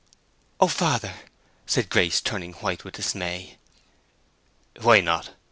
"Oh, father!" said Grace, turning white with dismay. "Why not?"